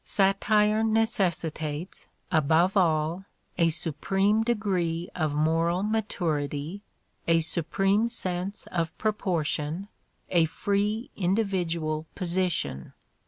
Satire necessi tates, above all, a supreme degree of moral maturity, a supreme sense of proportion, a free individual posi tion.